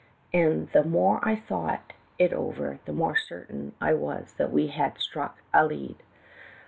And the more I thought it over the more certain I was that we had ' struck a lead.